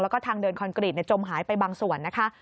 แล้วก็ทางเดินคอนกรีตจมหายไปบางส่วนนะคะ